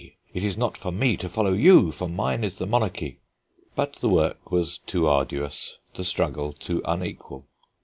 It is not for me to follow you, for mine is the monarchy." But the work was too arduous, the struggle too unequal.